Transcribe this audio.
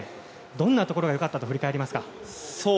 どんなところがよかったと振り返りますか。